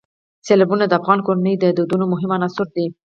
سیلابونه د افغان کورنیو د دودونو مهم عنصر دی.